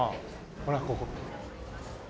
ほらここ。